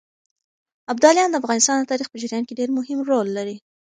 ابداليان د افغانستان د تاريخ په جريان کې ډېر مهم رول لري.